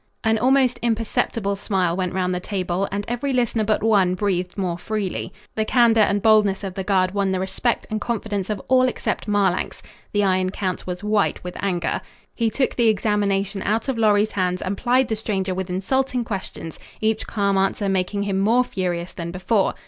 An almost imperceptible smile went round the table, and every listener but one breathed more freely. The candor and boldness of the guard won the respect and confidence of all except Marlanx. The Iron Count was white with anger. He took the examination out of Lorry's hands, and plied the stranger with insulting questions, each calm answer making him more furious than before.